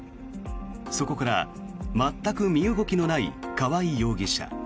そこから全く身動きのない川合容疑者。